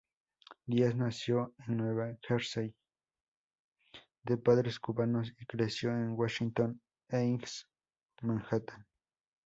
Díaz nació en Nueva Jersey, de padres cubanos, y creció en Washington Heights, Manhattan.